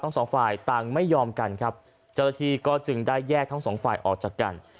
ทั้งสองฝ่ายต่างไม่ยอมกันครับเจ้าหน้าที่ก็จึงได้แยกทั้งสองฝ่ายออกจากกัน